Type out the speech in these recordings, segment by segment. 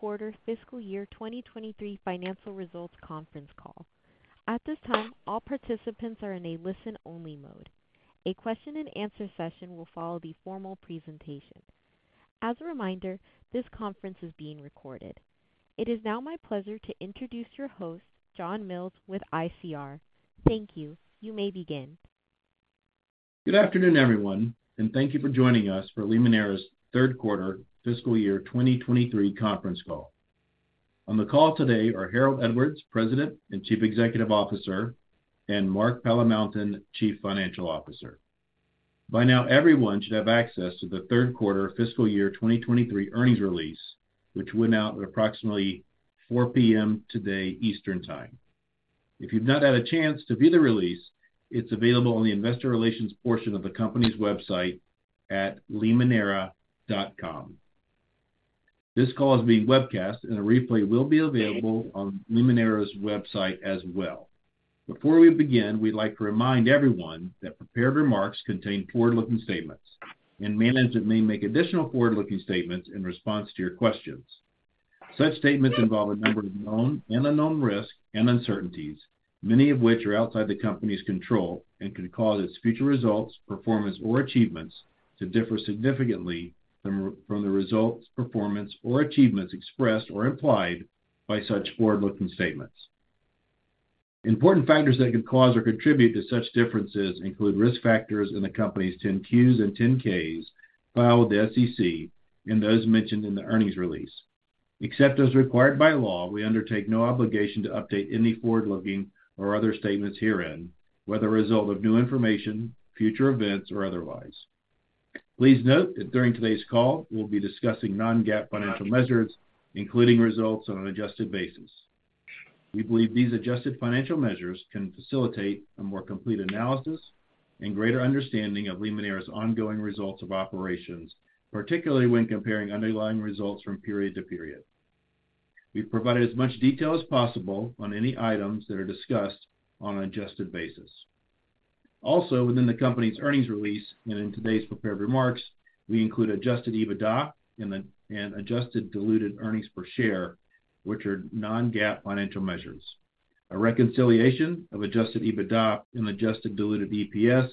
Third quarter fiscal year 2023 financial results conference call. At this time, all participants are in a listen-only mode. A question and answer session will follow the formal presentation. As a reminder, this conference is being recorded. It is now my pleasure to introduce your host, John Mills, with ICR. Thank you. You may begin. Good afternoon, everyone, and thank you for joining us for Limoneira's third quarter fiscal year 2023 conference call. On the call today are Harold Edwards, President and Chief Executive Officer, and Mark Palamountain, Chief Financial Officer. By now, everyone should have access to the third quarter fiscal year 2023 earnings release, which went out at approximately 4 P.M. today, Eastern Time. If you've not had a chance to view the release, it's available on the investor relations portion of the company's website at limoneira.com. This call is being webcast, and a replay will be available on Limoneira's website as well. Before we begin, we'd like to remind everyone that prepared remarks contain forward-looking statements, and management may make additional forward-looking statements in response to your questions. Such statements involve a number of known and unknown risks and uncertainties, many of which are outside the Company's control and could cause its future results, performance, or achievements to differ significantly from the results, performance, or achievements expressed or implied by such forward-looking statements. Important factors that could cause or contribute to such differences include risk factors in the Company's 10-Qs and 10-Ks filed with the SEC and those mentioned in the earnings release. Except as required by law, we undertake no obligation to update any forward-looking or other statements herein, whether a result of new information, future events, or otherwise. Please note that during today's call, we'll be discussing non-GAAP financial measures, including results on an adjusted basis. We believe these adjusted financial measures can facilitate a more complete analysis and greater understanding of Limoneira's ongoing results of operations, particularly when comparing underlying results from period to period. We've provided as much detail as possible on any items that are discussed on an adjusted basis. Also, within the company's earnings release, and in today's prepared remarks, we include Adjusted EBITDA and Adjusted Diluted earnings per share, which are non-GAAP financial measures. A reconciliation of Adjusted EBITDA and Adjusted Diluted EPS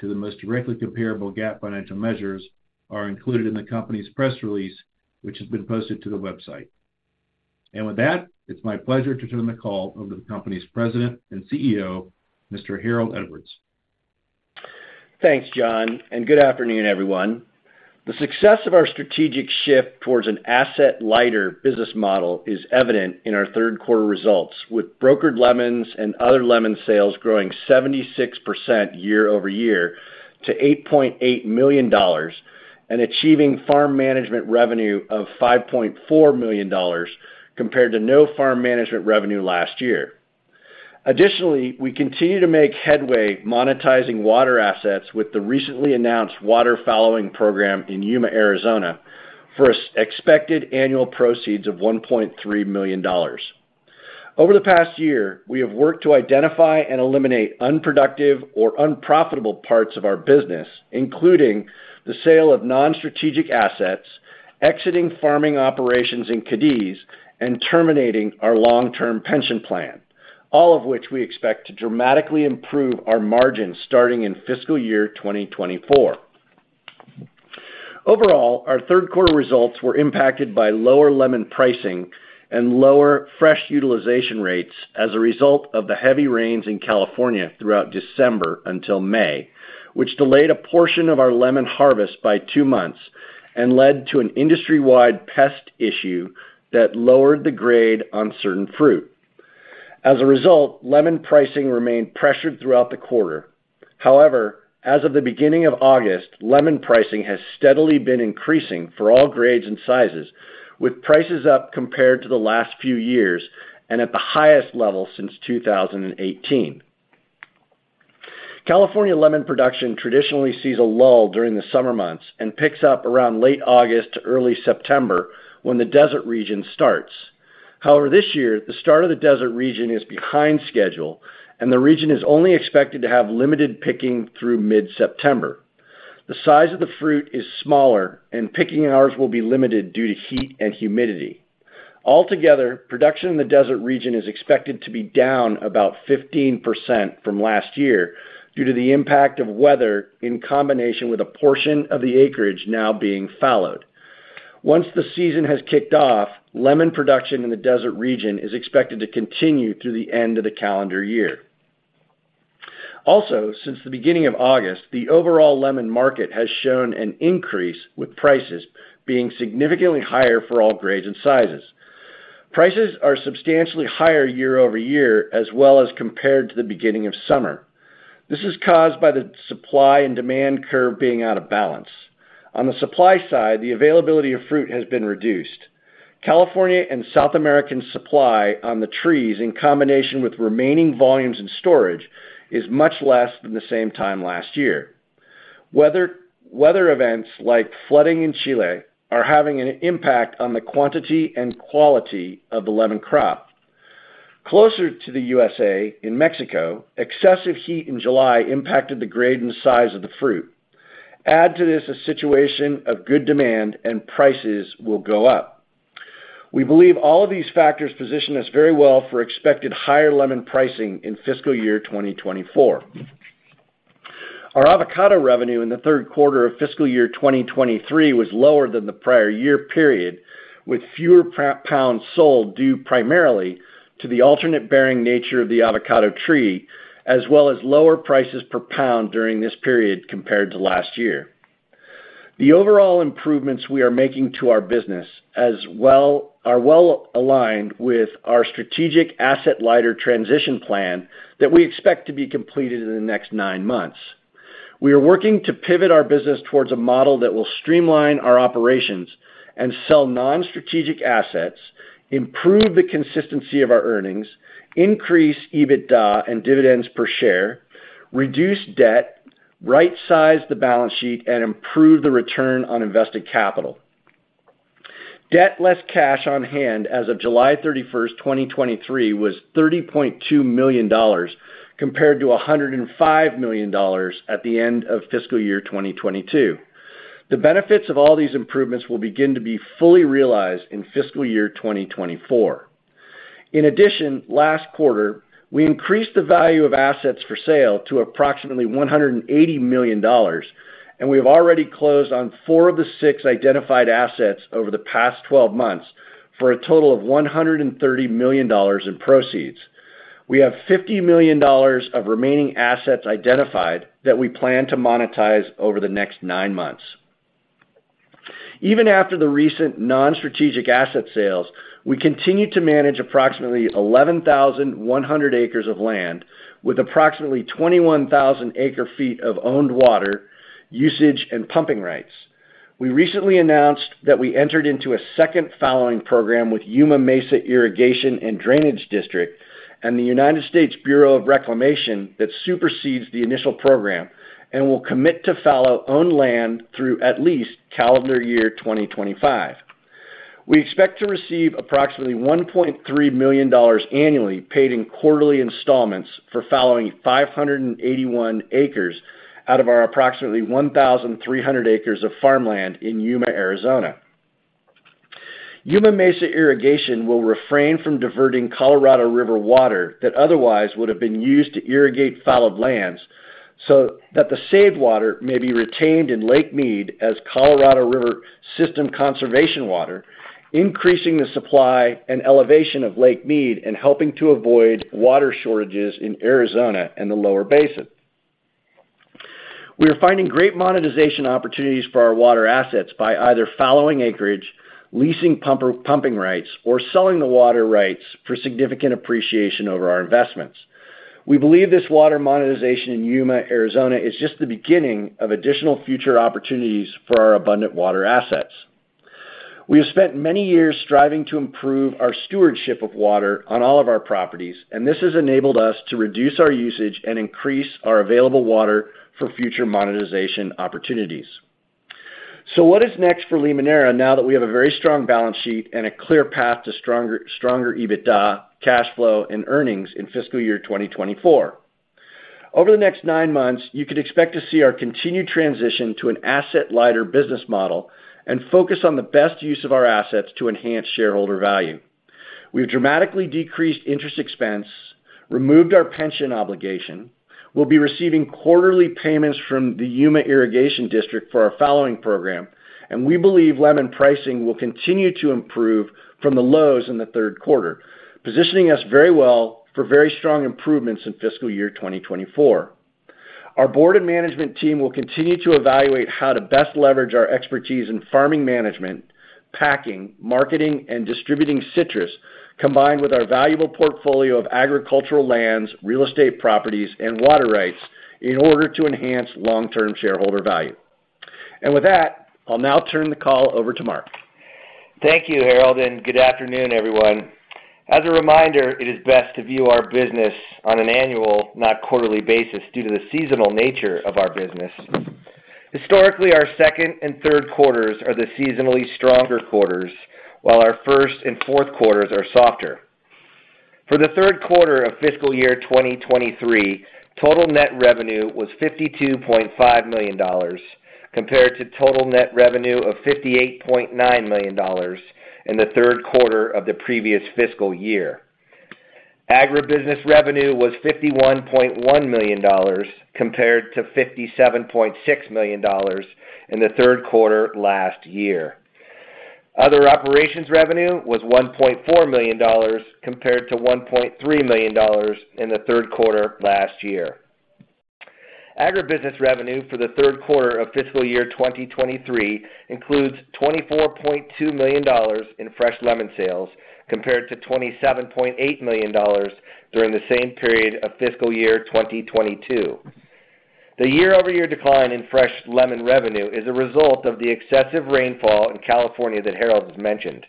to the most directly comparable GAAP financial measures are included in the company's press release, which has been posted to the website. With that, it's my pleasure to turn the call over to the company's President and CEO, Mr. Harold Edwards. Thanks, John, and good afternoon, everyone. The success of our strategic shift toward an asset-lighter business model is evident in our third quarter results, with brokered lemons and other lemon sales growing 76% year-over-year to $8.8 million, and achieving farm management revenue of $5.4 million, compared to no farm management revenue last year. Additionally, we continue to make headway monetizing water assets with the recently announced water fallowing program in Yuma, Arizona, for expected annual proceeds of $1.3 million. Over the past year, we have worked to identify and eliminate unproductive or unprofitable parts of our business, including the sale of non-strategic assets, exiting farming operations in Cadiz, and terminating our long-term pension plan, all of which we expect to dramatically improve our margins starting in fiscal year 2024. Overall, our third quarter results were impacted by lower lemon pricing and lower fresh utilization rates as a result of the heavy rains in California throughout December until May, which delayed a portion of our lemon harvest by two months and led to an industry-wide pest issue that lowered the grade on certain fruit. As a result, lemon pricing remained pressured throughout the quarter. However, as of the beginning of August, lemon pricing has steadily been increasing for all grades and sizes, with prices up compared to the last few years and at the highest level since 2018. California lemon production traditionally sees a lull during the summer months and picks up around late August to early September, when the desert region starts. However, this year, the start of the desert region is behind schedule, and the region is only expected to have limited picking through mid-September. The size of the fruit is smaller, and picking hours will be limited due to heat and humidity. Altogether, production in the desert region is expected to be down about 15% from last year due to the impact of weather, in combination with a portion of the acreage now being fallowed. Once the season has kicked off, lemon production in the desert region is expected to continue through the end of the calendar year. Also, since the beginning of August, the overall lemon market has shown an increase, with prices being significantly higher for all grades and sizes. Prices are substantially higher year-over-year, as well as compared to the beginning of summer. This is caused by the supply and demand curve being out of balance. On the supply side, the availability of fruit has been reduced. California and South American supply on the trees, in combination with remaining volumes in storage, is much less than the same time last year. Weather, weather events like flooding in Chile are having an impact on the quantity and quality of the lemon crop.... Closer to the USA, in Mexico, excessive heat in July impacted the grade and size of the fruit. Add to this a situation of good demand, and prices will go up. We believe all of these factors position us very well for expected higher lemon pricing in fiscal year 2024. Our avocado revenue in the third quarter of fiscal year 2023 was lower than the prior year period, with fewer pounds sold, due primarily to the alternate bearing nature of the avocado tree, as well as lower prices per pound during this period compared to last year. The overall improvements we are making to our business as well, are well aligned with our strategic asset-lighter transition plan that we expect to be completed in the next nine months. We are working to pivot our business towards a model that will streamline our operations and sell non-strategic assets, improve the consistency of our earnings, increase EBITDA and dividends per share, reduce debt, right-size the balance sheet, and improve the return on invested capital. Debt less cash on hand as of July 31, 2023, was $30.2 million, compared to $105 million at the end of fiscal year 2022. The benefits of all these improvements will begin to be fully realized in fiscal year 2024. In addition, last quarter, we increased the value of assets for sale to approximately $180 million, and we have already closed on four of the six identified assets over the past 12 months, for a total of $130 million in proceeds. We have $50 million of remaining assets identified that we plan to monetize over the next nine months. Even after the recent non-strategic asset sales, we continue to manage approximately 11,100 acres of land, with approximately 21,000 acre feet of owned water, usage, and pumping rights. We recently announced that we entered into a second fallowing program with Yuma Mesa Irrigation and Drainage District and the United States Bureau of Reclamation that supersedes the initial program and will commit to fallow owned land through at least calendar year 2025. We expect to receive approximately $1.3 million annually, paid in quarterly installments, for fallowing 581 acres out of our approximately 1,300 acres of farmland in Yuma, Arizona. Yuma Mesa Irrigation will refrain from diverting Colorado River water that otherwise would have been used to irrigate fallowed lands, so that the saved water may be retained in Lake Mead as Colorado River System Conservation Water, increasing the supply and elevation of Lake Mead and helping to avoid water shortages in Arizona and the lower basin. We are finding great monetization opportunities for our water assets by either fallowing acreage, leasing pumping rights, or selling the water rights for significant appreciation over our investments. We believe this water monetization in Yuma, Arizona, is just the beginning of additional future opportunities for our abundant water assets. We have spent many years striving to improve our stewardship of water on all of our properties, and this has enabled us to reduce our usage and increase our available water for future monetization opportunities. So what is next for Limoneira now that we have a very strong balance sheet and a clear path to stronger, stronger EBITDA, cash flow, and earnings in fiscal year 2024? Over the next nine months, you could expect to see our continued transition to an asset-lighter business model and focus on the best use of our assets to enhance shareholder value. We've dramatically decreased interest expense, removed our pension obligation, we'll be receiving quarterly payments from the Yuma Irrigation District for our fallowing program, and we believe lemon pricing will continue to improve from the lows in the third quarter, positioning us very well for very strong improvements in fiscal year 2024. Our board and management team will continue to evaluate how to best leverage our expertise in farming management, packing, marketing, and distributing citrus, combined with our valuable portfolio of agricultural lands, real estate properties, and water rights in order to enhance long-term shareholder value. With that, I'll now turn the call over to Mark. Thank you, Harold, and good afternoon, everyone. As a reminder, it is best to view our business on an annual, not quarterly, basis due to the seasonal nature of our business. Historically, our second and third quarters are the seasonally stronger quarters, while our first and fourth quarters are softer. For the third quarter of Fiscal Year 2023, total net revenue was $52.5 million, compared to total net revenue of $58.9 million in the third quarter of the previous Fiscal Year. Agribusiness revenue was $51.1 million, compared to $57.6 million in the third quarter last year. Other operations revenue was $1.4 million, compared to $1.3 million in the third quarter last year. Agribusiness revenue for the third quarter of fiscal year 2023 includes $24.2 million in fresh lemon sales, compared to $27.8 million during the same period of fiscal year 2022. The year-over-year decline in fresh lemon revenue is a result of the excessive rainfall in California that Harold has mentioned,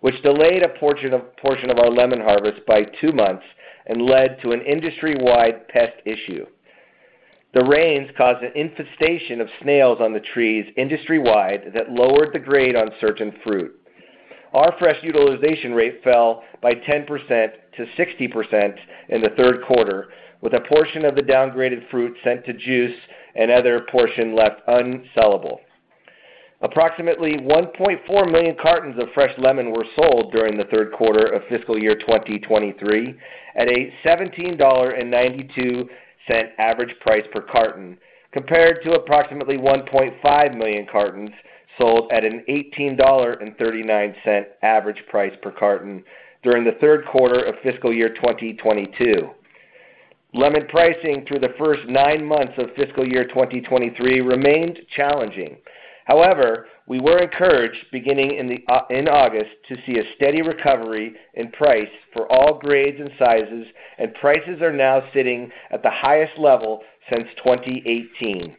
which delayed a portion of our lemon harvest by two months and led to an industry-wide pest issue. The rains caused an infestation of snails on the trees industry-wide that lowered the grade on certain fruit. Our fresh utilization rate fell by 10% to 60% in the third quarter, with a portion of the downgraded fruit sent to juice and other portion left unsellable. Approximately 1.4 million cartons of fresh lemon were sold during the third quarter of fiscal year 2023, at a $17.92 average price per carton, compared to approximately 1.5 million cartons sold at an $18.39 average price per carton during the third quarter of fiscal year 2022. Lemon pricing through the first nine months of fiscal year 2023 remained challenging. However, we were encouraged, beginning in August, to see a steady recovery in price for all grades and sizes, and prices are now sitting at the highest level since 2018.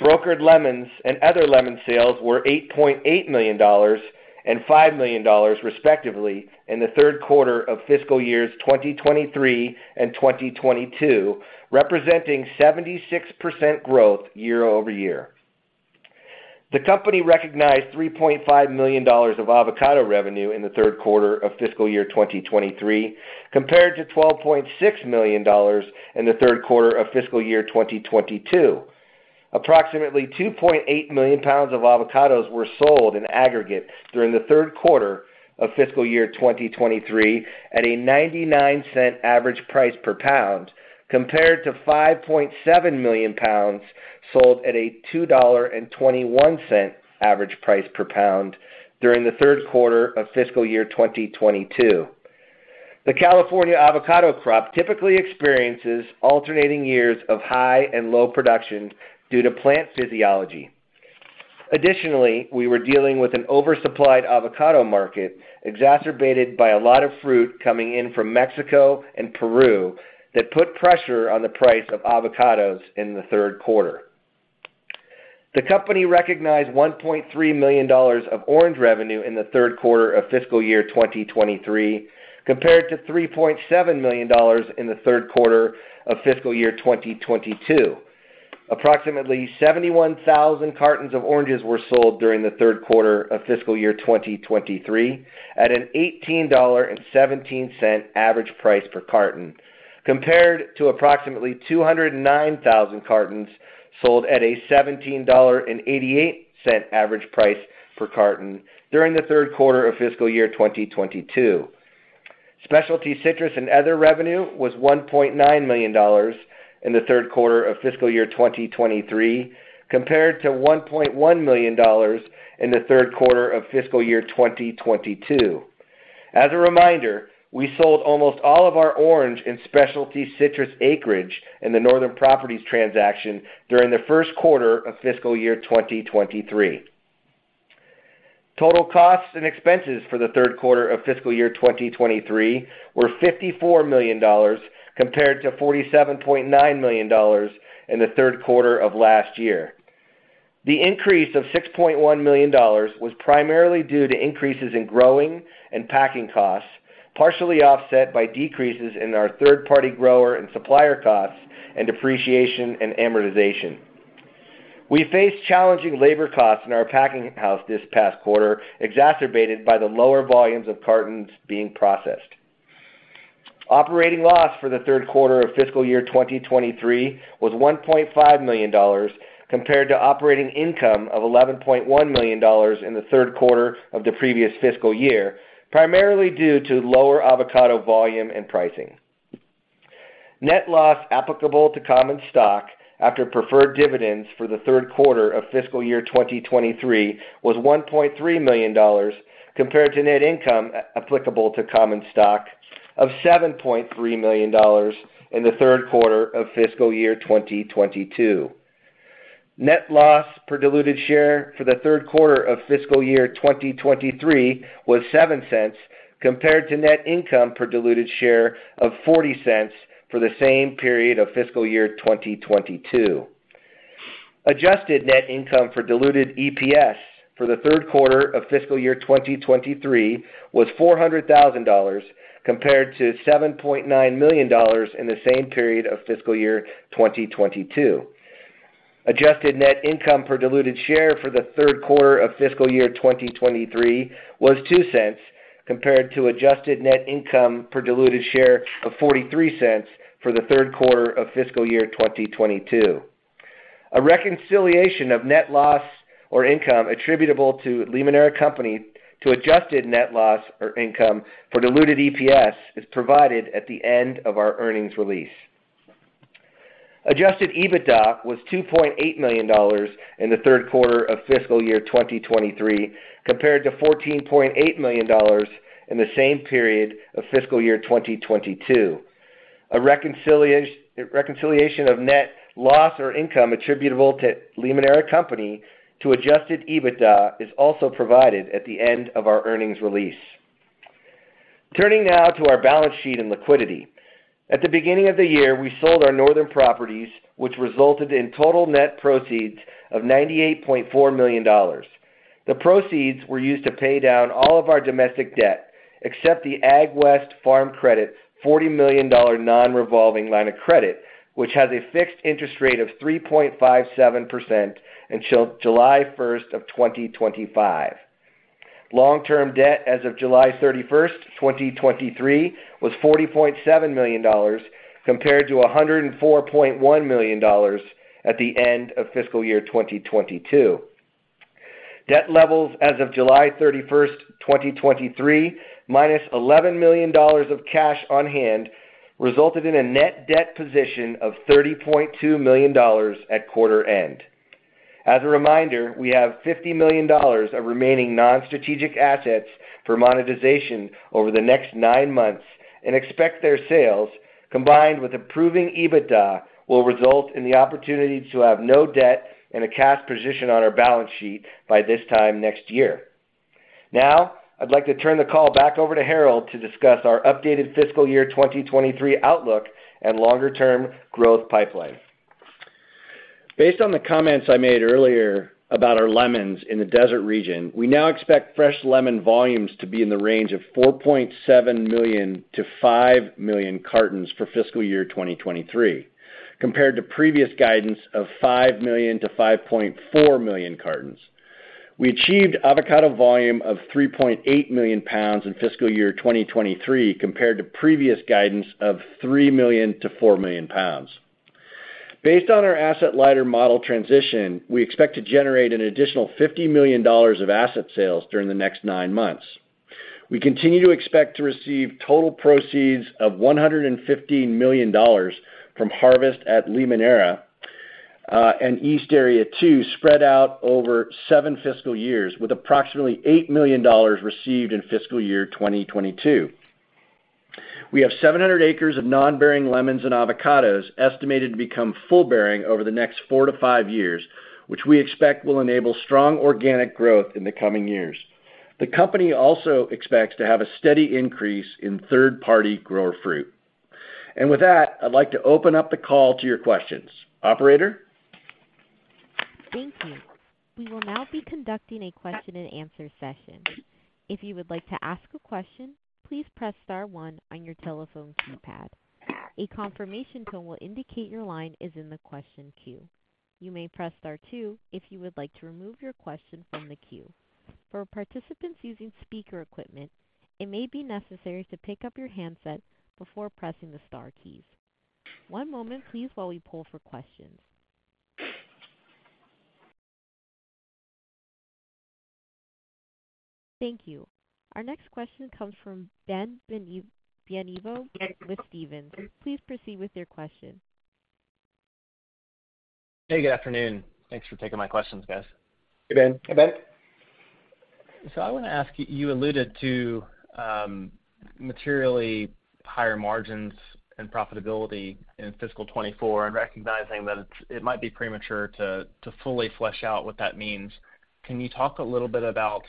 Brokered lemons and other lemon sales were $8.8 million and $5 million, respectively, in the third quarter of fiscal years 2023 and 2022, representing 76% growth year-over-year. The company recognized $3.5 million of avocado revenue in the third quarter of fiscal year 2023, compared to $12.6 million in the third quarter of fiscal year 2022. Approximately 2.8 million pounds of avocados were sold in aggregate during the third quarter of fiscal year 2023, at a $0.99 average price per pound, compared to 5.7 million pounds, sold at a $2.21 average price per pound during the third quarter of fiscal year 2022. The California avocado crop typically experiences alternating years of high and low production due to plant physiology. Additionally, we were dealing with an oversupplied avocado market, exacerbated by a lot of fruit coming in from Mexico and Peru, that put pressure on the price of avocados in the third quarter. The company recognized $1.3 million of orange revenue in the third quarter of fiscal year 2023, compared to $3.7 million in the third quarter of fiscal year 2022. Approximately 71,000 cartons of oranges were sold during the third quarter of fiscal year 2023, at an $18.17 average price per carton, compared to approximately 209,000 cartons, sold at a $17.88 average price per carton during the third quarter of fiscal year 2022. Specialty citrus and other revenue was $1.9 million in the third quarter of fiscal year 2023, compared to $1.1 million in the third quarter of fiscal year 2022. As a reminder, we sold almost all of our orange and specialty citrus acreage in the Northern Properties transaction during the first quarter of fiscal year 2023. Total costs and expenses for the third quarter of fiscal year 2023 were $54 million, compared to $47.9 million in the third quarter of last year. The increase of $6.1 million was primarily due to increases in growing and packing costs, partially offset by decreases in our third-party grower and supplier costs and depreciation and amortization. We faced challenging labor costs in our packing house this past quarter, exacerbated by the lower volumes of cartons being processed. Operating loss for the third quarter of fiscal year 2023 was $1.5 million, compared to operating income of $11.1 million in the third quarter of the previous fiscal year, primarily due to lower avocado volume and pricing. Net loss applicable to common stock after preferred dividends for the third quarter of fiscal year 2023 was $1.3 million, compared to net income applicable to common stock of $7.3 million in the third quarter of fiscal year 2022. Net loss per diluted share for the third quarter of fiscal year 2023 was $0.07, compared to net income per diluted share of $0.40 for the same period of fiscal year 2022. Adjusted net income for diluted EPS for the third quarter of fiscal year 2023 was $400,000, compared to $7.9 million in the same period of fiscal year 2022. Adjusted net income per diluted share for the third quarter of fiscal year 2023 was $0.02, compared to adjusted net income per diluted share of $0.43 for the third quarter of fiscal year 2022. A reconciliation of net loss or income attributable to Limoneira Company to adjusted net loss or income for diluted EPS is provided at the end of our earnings release. Adjusted EBITDA was $2.8 million in the third quarter of fiscal year 2023, compared to $14.8 million in the same period of fiscal year 2022. A reconciliation of net loss or income attributable to Limoneira Company to Adjusted EBITDA is also provided at the end of our earnings release. Turning now to our balance sheet and liquidity. At the beginning of the year, we sold our Northern Properties, which resulted in total net proceeds of $98.4 million. The proceeds were used to pay down all of our domestic debt, except the AgWest Farm Credit $40 million non-revolving line of credit, which has a fixed interest rate of 3.57% until July 1, 2025. Long-term debt as of July 31, 2023, was $40.7 million, compared to $104.1 million at the end of fiscal year 2022. Debt levels as of July 31st, 2023, minus $11 million of cash on hand, resulted in a net debt position of $30.2 million at quarter end. As a reminder, we have $50 million of remaining non-strategic assets for monetization over the next nine months, and expect their sales, combined with improving EBITDA, will result in the opportunity to have no debt and a cash position on our balance sheet by this time next year. Now, I'd like to turn the call back over to Harold to discuss our updated fiscal year 2023 outlook and longer-term growth pipeline. Based on the comments I made earlier about our lemons in the desert region, we now expect fresh lemon volumes to be in the range of 4.7 million-5 million cartons for fiscal year 2023, compared to previous guidance of 5 million-5.4 million cartons. We achieved avocado volume of 3.8 million pounds in fiscal year 2023, compared to previous guidance of 3 million-4 million pounds. Based on our asset lighter model transition, we expect to generate an additional $50 million of asset sales during the next nine months. We continue to expect to receive total proceeds of $115 million from Harvest at Limoneira, and East Area Two, spread out over seven fiscal years, with approximately $8 million received in fiscal year 2022. We have 700 acres of non-bearing lemons and avocados, estimated to become full bearing over the next four-five years, which we expect will enable strong organic growth in the coming years. The company also expects to have a steady increase in third-party grower fruit. With that, I'd like to open up the call to your questions. Operator? Thank you. We will now be conducting a question-and-answer session. If you would like to ask a question, please press star one on your telephone keypad. A confirmation tone will indicate your line is in the question queue. You may press star two if you would like to remove your question from the queue. For participants using speaker equipment, it may be necessary to pick up your handset before pressing the star keys. One moment, please, while we pull for questions. Thank you. Our next question comes from Ben Bienvenu with Stephens. Please proceed with your question. Hey, good afternoon. Thanks for taking my questions, guys. Hey, Ben. Hey, Ben. So I want to ask you, you alluded to materially higher margins and profitability in fiscal 2024, and recognizing that it's—it might be premature to fully flesh out what that means. Can you talk a little bit about,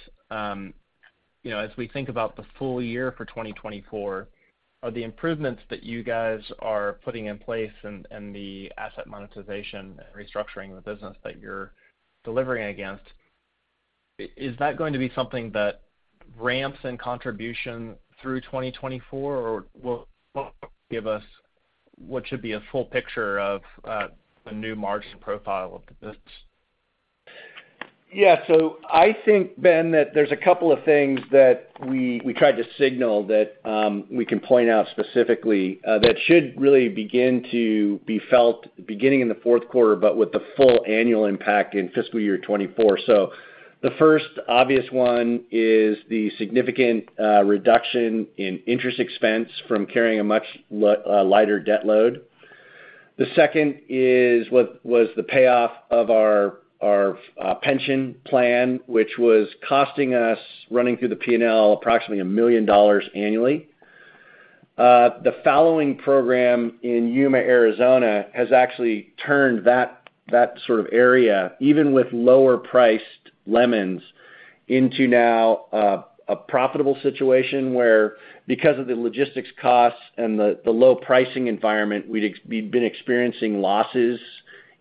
you know, as we think about the full year for 2024, are the improvements that you guys are putting in place and the asset monetization and restructuring the business that you're delivering against, is that going to be something that ramps in contribution through 2024, or will give us what should be a full picture of the new margin profile of the business? Yeah. So I think, Ben, that there's a couple of things that we, we tried to signal that we can point out specifically that should really begin to be felt beginning in the fourth quarter, but with the full annual impact in fiscal year 2024. So the first obvious one is the significant reduction in interest expense from carrying a much lighter debt load. The second is what was the payoff of our pension plan, which was costing us, running through the P&L, approximately $1 million annually. The fallowing program in Yuma, Arizona, has actually turned that sort of area, even with lower-priced lemons, into now a profitable situation, where because of the logistics costs and the low pricing environment, we'd been experiencing losses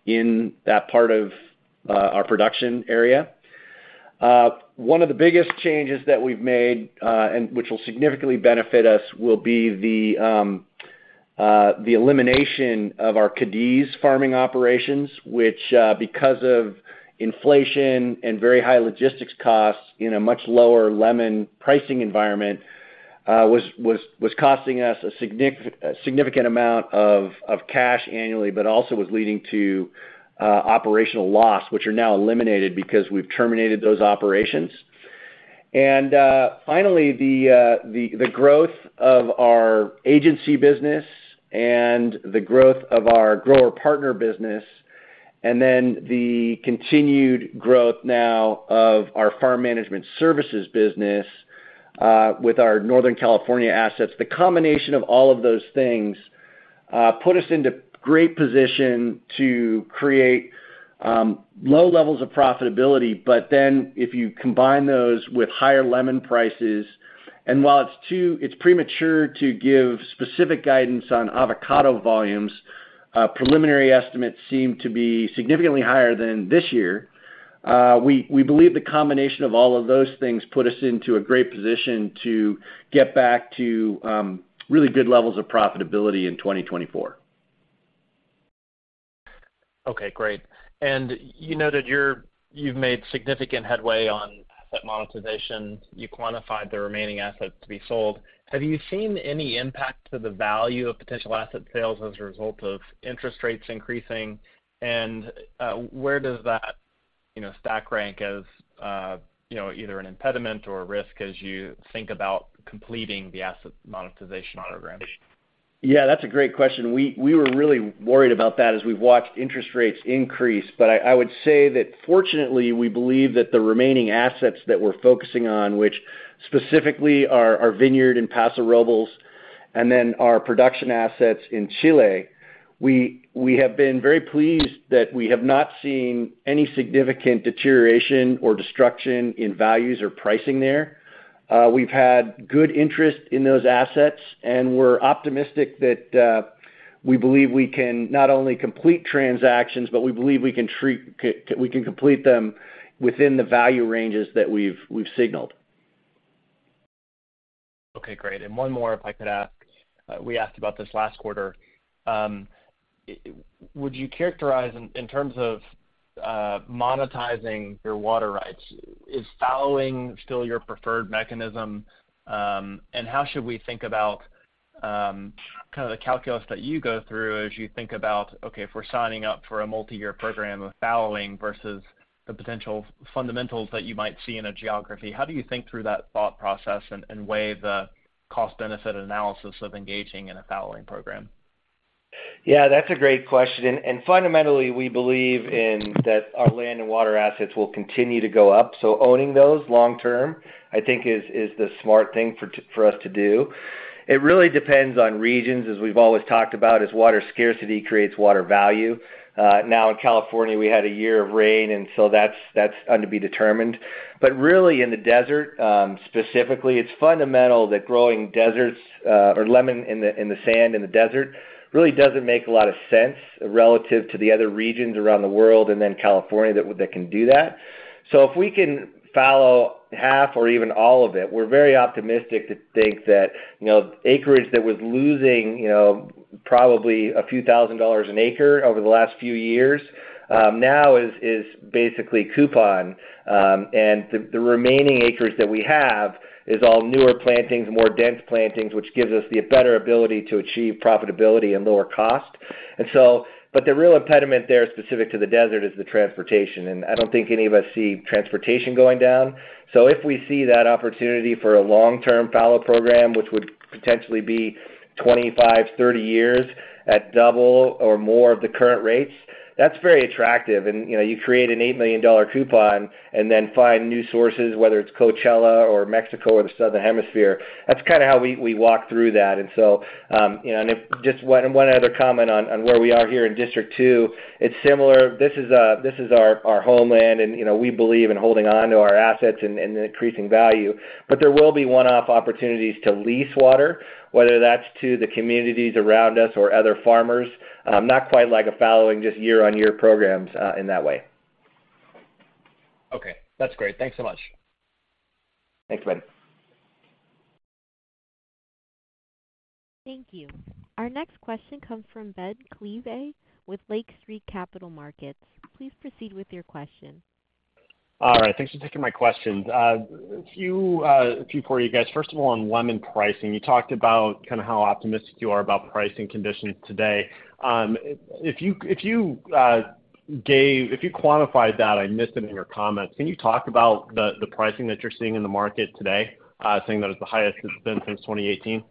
in that part of our production area. One of the biggest changes that we've made, and which will significantly benefit us, will be the elimination of our Cadiz farming operations, which, because of inflation and very high logistics costs in a much lower lemon pricing environment, was costing us a significant amount of cash annually, but also was leading to operational loss, which are now eliminated because we've terminated those operations. Finally, the growth of our agency business and the growth of our grower partner business, and then the continued growth now of our farm management services business, with our Northern California assets. The combination of all of those things put us into great position to create low levels of profitability. But then, if you combine those with higher lemon prices, and while it's premature to give specific guidance on avocado volumes-... preliminary estimates seem to be significantly higher than this year. We believe the combination of all of those things put us into a great position to get back to really good levels of profitability in 2024. Okay, great. And you've made significant headway on asset monetization. You quantified the remaining assets to be sold. Have you seen any impact to the value of potential asset sales as a result of interest rates increasing? And, where does that, you know, stack rank as, you know, either an impediment or a risk as you think about completing the asset monetization program? Yeah, that's a great question. We were really worried about that as we've watched interest rates increase. But I would say that fortunately, we believe that the remaining assets that we're focusing on, which specifically are our vineyard in Paso Robles, and then our production assets in Chile, we have been very pleased that we have not seen any significant deterioration or destruction in values or pricing there. We've had good interest in those assets, and we're optimistic that we believe we can not only complete transactions, but we believe we can complete them within the value ranges that we've signaled. Okay, great. And one more, if I could ask. We asked about this last quarter. Would you characterize in, in terms of, monetizing your water rights, is fallowing still your preferred mechanism? And how should we think about, kind of the calculus that you go through as you think about, okay, if we're signing up for a multi-year program of fallowing versus the potential fundamentals that you might see in a geography, how do you think through that thought process and, and weigh the cost-benefit analysis of engaging in a fallowing program? Yeah, that's a great question, and fundamentally, we believe that our land and water assets will continue to go up. So owning those long term, I think is the smart thing for us to do. It really depends on regions, as we've always talked about, as water scarcity creates water value. Now in California, we had a year of rain, and so that's to be determined. But really, in the desert, specifically, it's fundamental that growing in deserts or lemons in the sand in the desert really doesn't make a lot of sense relative to the other regions around the world and then California that can do that. So if we can fallow half or even all of it, we're very optimistic to think that, you know, acreage that was losing, you know, probably a few thousand dollars an acre over the last few years, now is basically coupon. And the remaining acres that we have is all newer plantings, more dense plantings, which gives us the better ability to achieve profitability and lower cost. And so, but the real impediment there, specific to the desert, is the transportation, and I don't think any of us see transportation going down. So if we see that opportunity for a long-term fallow program, which would potentially be 25-30 years at double or more of the current rates, that's very attractive. And, you know, you create an $8 million coupon and then find new sources, whether it's Coachella or Mexico or the Southern Hemisphere. That's kind of how we walk through that. And so, you know, and if just one other comment on where we are here in District 2, it's similar. This is our homeland and, you know, we believe in holding on to our assets and increasing value. But there will be one-off opportunities to lease water, whether that's to the communities around us or other farmers. Not quite like a fallowing, just year-on-year programs, in that way. Okay, that's great. Thanks so much. Thanks, Ben. Thank you. Our next question comes from Ben Klieve with Lake Street Capital Markets. Please proceed with your question. All right, thanks for taking my questions. A few for you guys. First of all, on lemon pricing, you talked about kind of how optimistic you are about pricing conditions today. If you quantified that, I missed it in your comments. Can you talk about the pricing that you're seeing in the market today, saying that it's the highest it's been since 2018?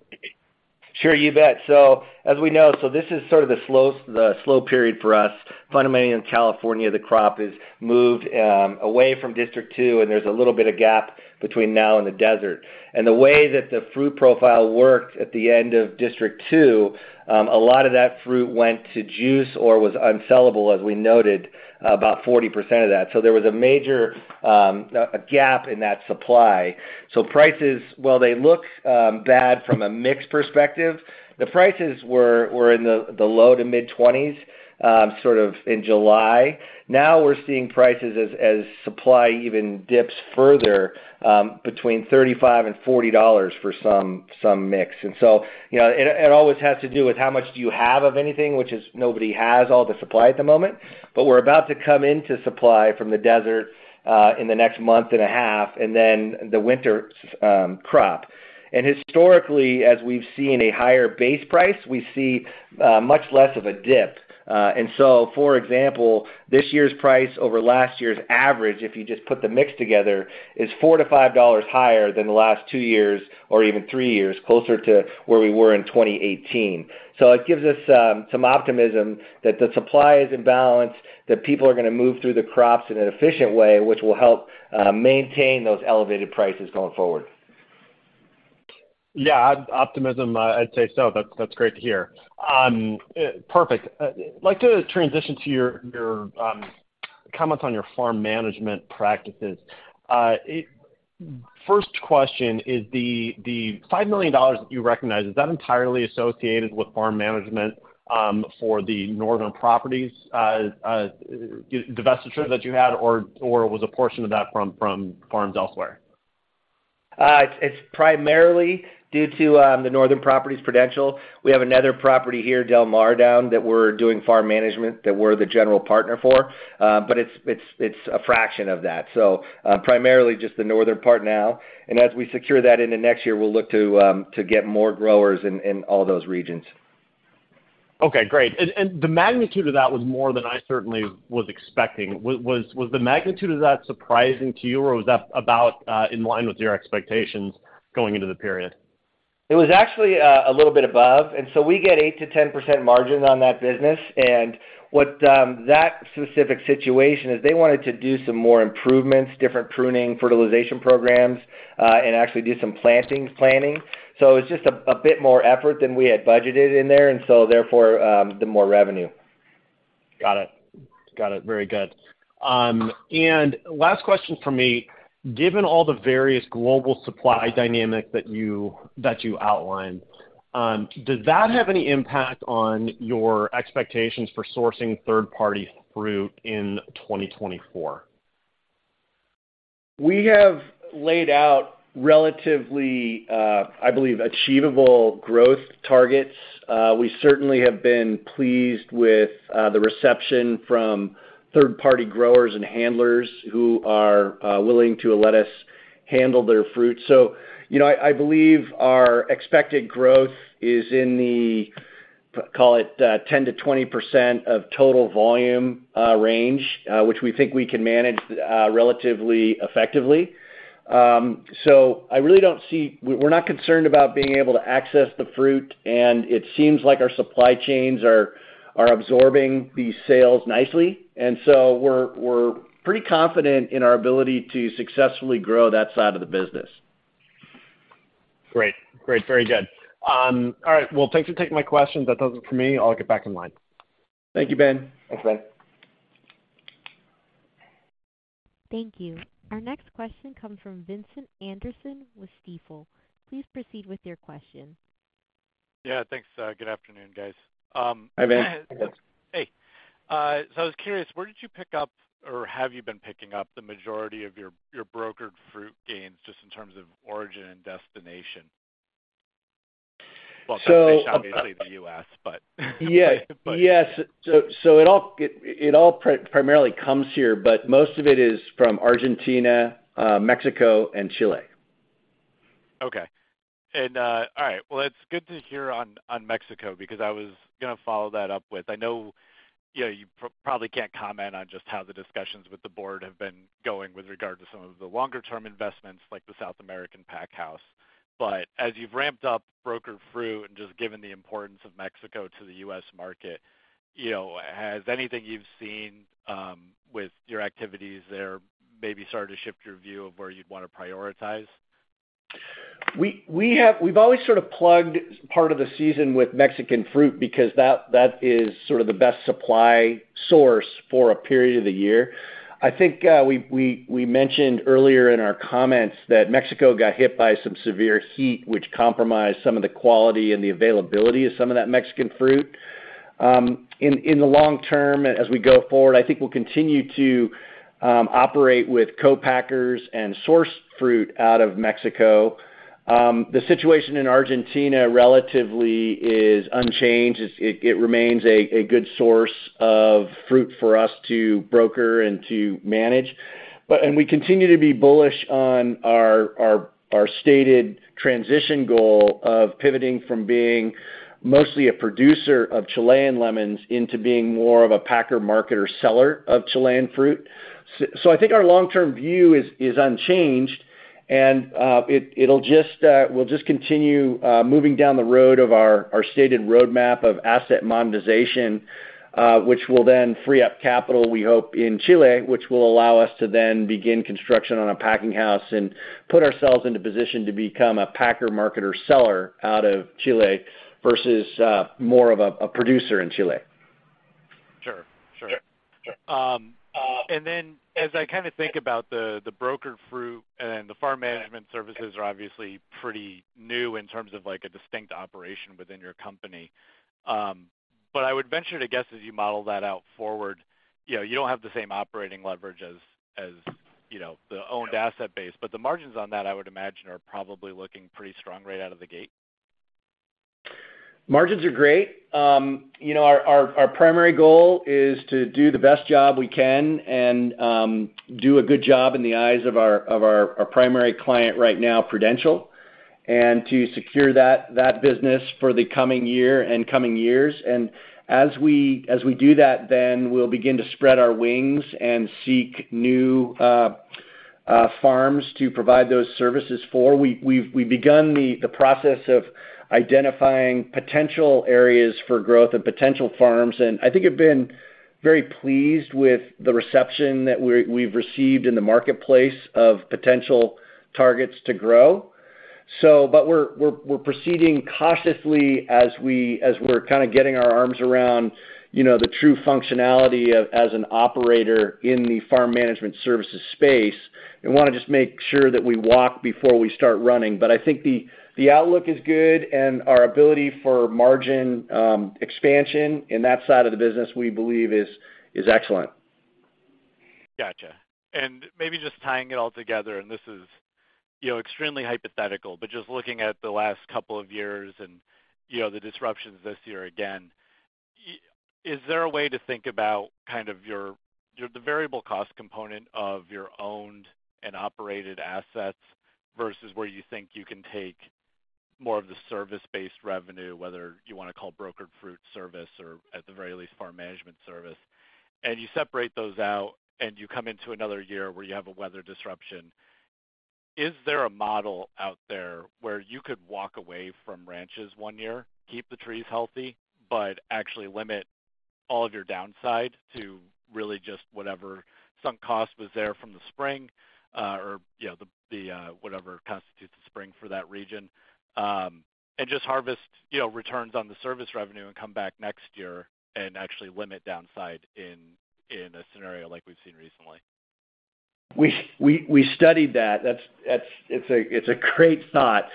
Sure, you bet. So as we know, so this is sort of the slow, the slow period for us. Fundamentally, in California, the crop is moved away from District 2, and there's a little bit of gap between now and the desert. And the way that the fruit profile worked at the end of District 2, a lot of that fruit went to juice or was unsellable, as we noted, about 40% of that. So there was a major a gap in that supply. So prices, while they look bad from a mix perspective, the prices were in the low to mid-20s sort of in July. Now we're seeing prices as supply even dips further, between $35-$40 for some, some mix. So, you know, it always has to do with how much do you have of anything, which is nobody has all the supply at the moment. But we're about to come into supply from the desert in the next month and a half, and then the winter crop. And historically, as we've seen a higher base price, we see much less of a dip. And so, for example, this year's price over last year's average, if you just put the mix together, is $4-$5 higher than the last two years or even three years, closer to where we were in 2018. So it gives us some optimism that the supply is in balance, that people are going to move through the crops in an efficient way, which will help maintain those elevated prices going forward. Yeah, optimism, I'd say so. That's great to hear. Perfect. I'd like to transition to your comment on your farm management practices. First question, is the $5 million that you recognized entirely associated with farm management for the Northern Properties divestiture that you had, or was a portion of that from farms elsewhere? It's primarily due to the Northern Properties Prudential. We have another property here, Del Mar down, that we're doing farm management, that we're the general partner for, but it's a fraction of that. So, primarily just the northern part now, and as we secure that into next year, we'll look to get more growers in all those regions. Okay, great. And the magnitude of that was more than I certainly was expecting. Was the magnitude of that surprising to you, or was that about in line with your expectations going into the period? It was actually a little bit above, and so we get 8%-10% margins on that business. And what that specific situation is, they wanted to do some more improvements, different pruning, fertilization programs, and actually do some plantings planning. So it's just a bit more effort than we had budgeted in there, and so therefore the more revenue. Got it. Got it. Very good. Last question from me. Given all the various global supply dynamics that you outlined, does that have any impact on your expectations for sourcing third-party fruit in 2024? We have laid out relatively, I believe, achievable growth targets. We certainly have been pleased with the reception from third-party growers and handlers who are willing to let us handle their fruit. So, you know, I believe our expected growth is in the—call it—10%-20% of total volume range, which we think we can manage relatively effectively. So I really don't see... We're not concerned about being able to access the fruit, and it seems like our supply chains are absorbing these sales nicely, and so we're pretty confident in our ability to successfully grow that side of the business. Great. Great, very good. All right, well, thanks for taking my questions. That does it for me. I'll get back in line. Thank you, Ben. Thanks, Ben. Thank you. Our next question comes from Vincent Anderson with Stifel. Please proceed with your question. Yeah, thanks. Good afternoon, guys. Hi, Vin. Hey. So I was curious, where did you pick up, or have you been picking up the majority of your, your brokered fruit gains, just in terms of origin and destination? So- Well, obviously the U.S., but, Yes. Yes. So, it all primarily comes here, but most of it is from Argentina, Mexico, and Chile. Okay. All right. Well, it's good to hear on Mexico, because I was gonna follow that up with... I know, you know, you probably can't comment on just how the discussions with the board have been going with regard to some of the longer term investments, like the South American packing house. But as you've ramped up brokered fruit and just given the importance of Mexico to the U.S. market, you know, has anything you've seen with your activities there, maybe started to shift your view of where you'd want to prioritize? We have-- We've always sort of plugged part of the season with Mexican fruit because that is sort of the best supply source for a period of the year. I think, we mentioned earlier in our comments that Mexico got hit by some severe heat, which compromised some of the quality and the availability of some of that Mexican fruit. In the long term, as we go forward, I think we'll continue to operate with co-packers and source fruit out of Mexico. The situation in Argentina relatively is unchanged. It remains a good source of fruit for us to broker and to manage. But-- And we continue to be bullish on our stated transition goal of pivoting from being mostly a producer of Chilean lemons into being more of a packer, marketer, seller of Chilean fruit. So I think our long-term view is unchanged, and it'll just, we'll just continue moving down the road of our stated roadmap of asset monetization, which will then free up capital, we hope, in Chile, which will allow us to then begin construction on a packing house and put ourselves into position to become a packer, marketer, seller out of Chile versus more of a producer in Chile. Sure. Sure. Sure. And then as I kind of think about the brokered fruit and the farm management services are obviously pretty new in terms of, like, a distinct operation within your company. But I would venture to guess, as you model that out forward, you know, you don't have the same operating leverage as you know, the owned asset base, but the margins on that, I would imagine, are probably looking pretty strong right out of the gate? Margins are great. You know, our primary goal is to do the best job we can and do a good job in the eyes of our primary client right now, Prudential, and to secure that business for the coming year and coming years. And as we do that, then we'll begin to spread our wings and seek new farms to provide those services for. We've begun the process of identifying potential areas for growth and potential farms, and I think I've been very pleased with the reception that we've received in the marketplace of potential targets to grow. But we're proceeding cautiously as we're kind of getting our arms around, you know, the true functionality of as an operator in the farm management services space, and want to just make sure that we walk before we start running. But I think the outlook is good, and our ability for margin expansion in that side of the business, we believe is excellent. Gotcha. And maybe just tying it all together, and this is, you know, extremely hypothetical, but just looking at the last couple of years and, you know, the disruptions this year again, is there a way to think about kind of your, your, the variable cost component of your owned and operated assets versus where you think you can take more of the service-based revenue, whether you want to call it brokered fruit service or, at the very least, farm management service? And you separate those out, and you come into another year where you have a weather disruption. Is there a model out there where you could walk away from ranches one year, keep the trees healthy, but actually limit all of your downside to really just whatever sunk cost was there from the spring, or, you know, whatever constitutes the spring for that region, and just harvest, you know, returns on the service revenue and come back next year and actually limit downside in a scenario like we've seen recently? We studied that. That's, it's a great thought.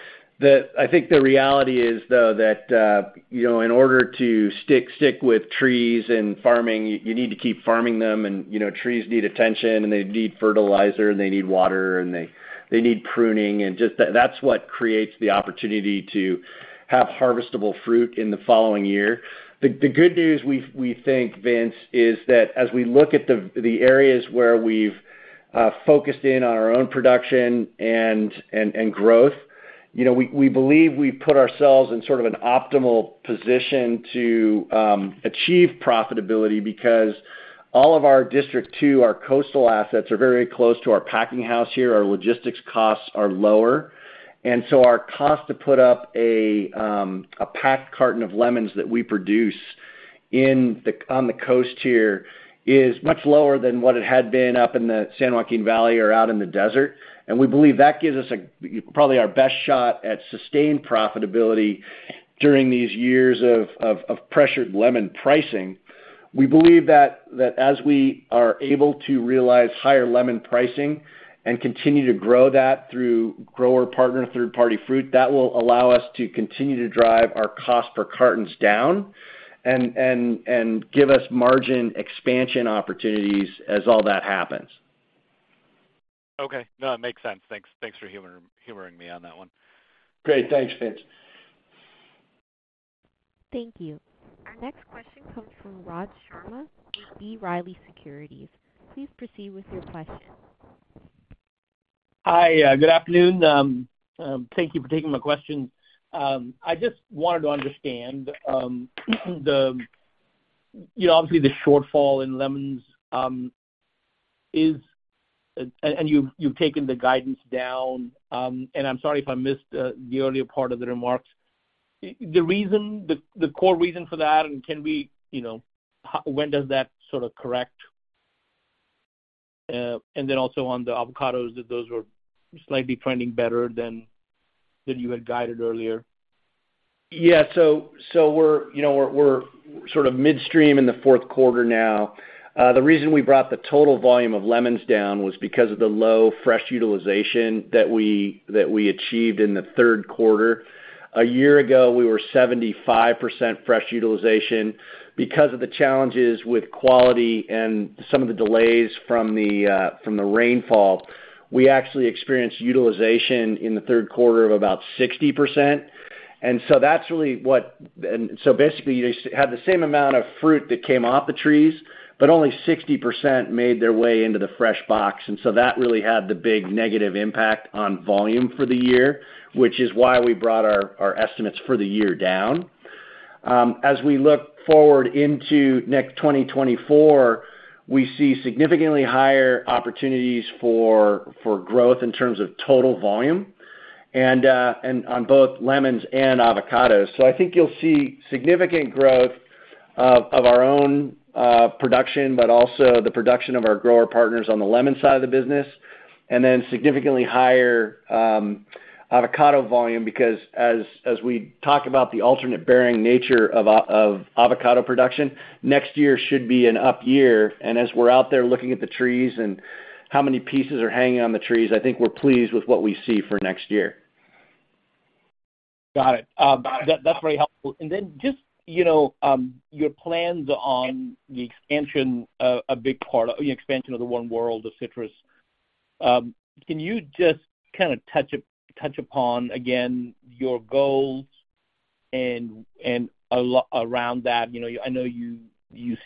I think the reality is, though, that, you know, in order to stick with trees and farming, you need to keep farming them and, you know, trees need attention, and they need fertilizer, and they need water, and they need pruning, and just that, that's what creates the opportunity to have harvestable fruit in the following year. The good news we think, Vince, is that as we look at the areas where we've focused in on our own production and growth, you know, we believe we've put ourselves in sort of an optimal position to achieve profitability because all of our District 2, our coastal assets, are very close to our packing house here. Our logistics costs are lower, and so our cost to put up a packed carton of lemons that we produce on the coast here is much lower than what it had been up in the San Joaquin Valley or out in the desert. We believe that gives us probably our best shot at sustained profitability during these years of pressured lemon pricing. We believe that as we are able to realize higher lemon pricing and continue to grow that through grower partner, third-party fruit, that will allow us to continue to drive our cost per cartons down and give us margin expansion opportunities as all that happens. Okay. No, it makes sense. Thanks, thanks for humoring me on that one. Great. Thanks, Vince. Thank you. Our next question comes from Raj Sharma with B. Riley Securities. Please proceed with your question. Hi, good afternoon. Thank you for taking my question. I just wanted to understand, you know, obviously, the shortfall in lemons is, and you've taken the guidance down. And I'm sorry if I missed the earlier part of the remarks. The reason, the core reason for that, and can we, you know, when does that sort of correct? And then also on the avocados, those were slightly trending better than you had guided earlier. Yeah, so we're, you know, we're sort of midstream in the fourth quarter now. The reason we brought the total volume of lemons down was because of the low fresh utilization that we achieved in the third quarter. A year ago, we were 75% fresh utilization. Because of the challenges with quality and some of the delays from the rainfall, we actually experienced utilization in the third quarter of about 60%. And so that's really what... And so basically, you just had the same amount of fruit that came off the trees, but only 60% made their way into the fresh box, and so that really had the big negative impact on volume for the year, which is why we brought our estimates for the year down. As we look forward into next 2024, we see significantly higher opportunities for growth in terms of total volume, and on both lemons and avocados. So I think you'll see significant growth of our own production, but also the production of our grower partners on the lemon side of the business, and then significantly higher avocado volume, because as we talk about the alternate bearing nature of avocado production, next year should be an up year. And as we're out there looking at the trees and how many pieces are hanging on the trees, I think we're pleased with what we see for next year. Got it. That, that's very helpful. And then just, you know, your plans on the expansion, a big part of the expansion of the One World of Citrus. Can you just kind of touch upon again your goals and around that? You know, I know you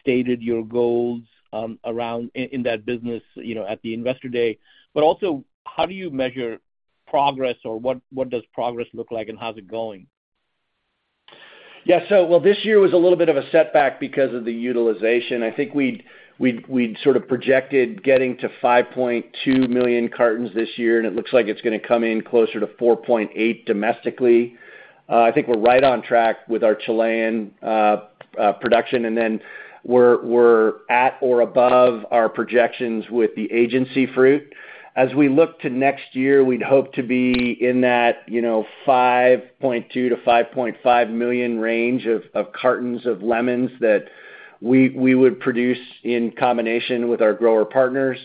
stated your goals around in that business, you know, at the Investor Day. But also, how do you measure progress, or what does progress look like, and how's it going? Yeah, so well, this year was a little bit of a setback because of the utilization. I think we'd sort of projected getting to 5.2 million cartons this year, and it looks like it's gonna come in closer to 4.8 domestically.... I think we're right on track with our Chilean production, and then we're at or above our projections with the agency fruit. As we look to next year, we'd hope to be in that, you know, 5.2-5.5 million range of cartons of lemons that we would produce in combination with our grower partners.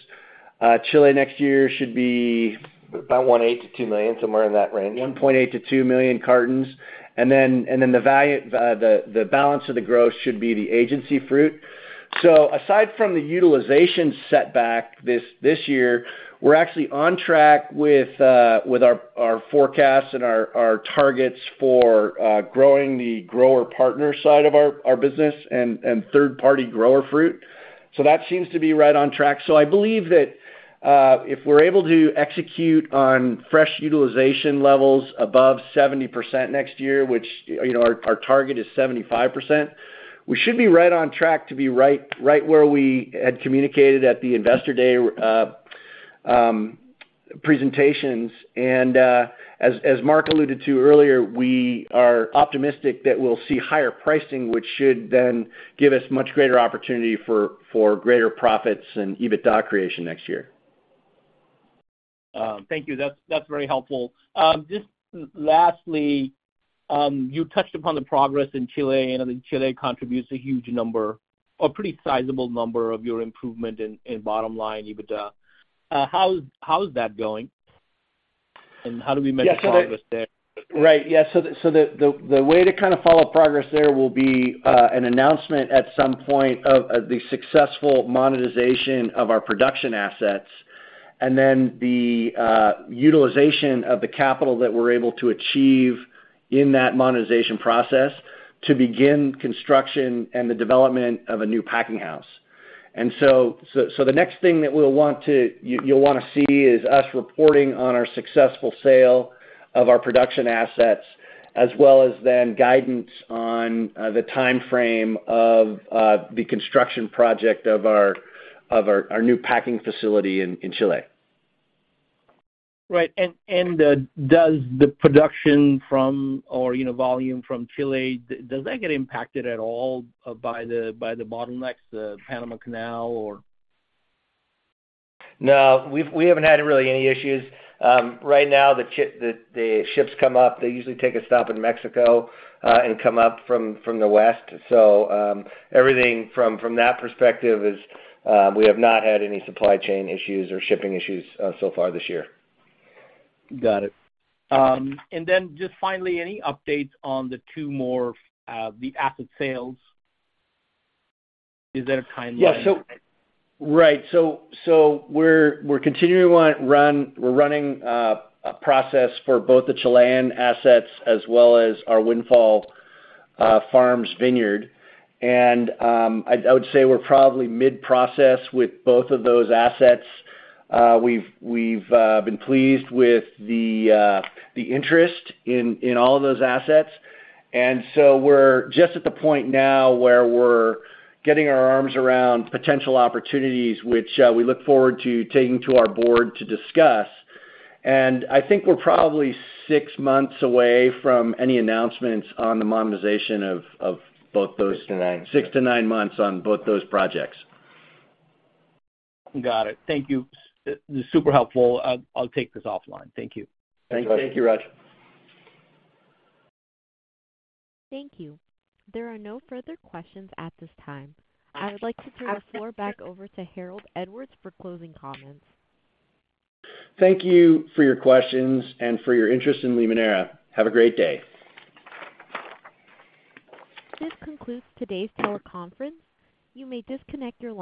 Chile next year should be- About $1.8 million-$2 million, somewhere in that range. 1.8-2 million cartons, and then, and then the value, the balance of the growth should be the agency fruit. So aside from the utilization setback this year, we're actually on track with our forecasts and our targets for growing the grower partner side of our business and third-party grower fruit. So that seems to be right on track. So I believe that, if we're able to execute on fresh utilization levels above 70% next year, which, you know, our target is 75%, we should be right on track to be right, right where we had communicated at the Investor Day presentations. As Mark alluded to earlier, we are optimistic that we'll see higher pricing, which should then give us much greater opportunity for greater profits and EBITDA creation next year. Thank you. That's very helpful. Just lastly, you touched upon the progress in Chile, and I think Chile contributes a huge number or pretty sizable number of your improvement in bottom line, EBITDA. How is that going? And how do we measure progress there? Right. Yeah, so the way to kind of follow progress there will be an announcement at some point of the successful monetization of our production assets, and then the utilization of the capital that we're able to achieve in that monetization process to begin construction and the development of a new packing house. So the next thing that we'll want to—you'll want to see is us reporting on our successful sale of our production assets, as well as then guidance on the time frame of the construction project of our new packing facility in Chile. Right. And does the production from, you know, volume from Chile, does that get impacted at all by the bottlenecks, the Panama Canal, or? No, we haven't had really any issues. Right now, the ships come up, they usually take a stop in Mexico and come up from the west. So, everything from that perspective is... We have not had any supply chain issues or shipping issues so far this year. Got it. And then just finally, any updates on the two more, the asset sales? Is there a timeline? So we're continuing to run a process for both the Chilean assets as well as our Windfall Farms vineyard. And I would say we're probably mid-process with both of those assets. We've been pleased with the interest in all of those assets. And so we're just at the point now where we're getting our arms around potential opportunities, which we look forward to taking to our board to discuss. And I think we're probably six months away from any announcements on the monetization of both those- six-nine. six-nine months on both those projects. Got it. Thank you. This is super helpful. I'll take this offline. Thank you. Thank you, Raj. Thank you. There are no further questions at this time. I would like to turn the floor back over to Harold Edwards for closing comments. Thank you for your questions and for your interest in Limoneira. Have a great day. This concludes today's teleconference. You may disconnect your line.